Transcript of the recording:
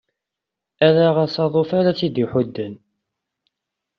Ala asaḍuf ara tt-id-iḥudden.